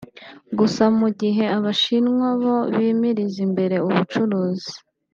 Gusa mu gihe Abashinwa bo bimiriza imbere ubucuruzi